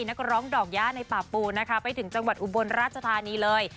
นักร้องดอกย่าในป่าปูนะคะไปถึงจังหวัดอุบลราชธานีเลย